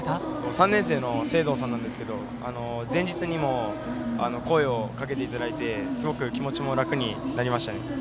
３年生の清藤さんなんですが前日にも声をかけていただいてすごく気持ちも楽になりました。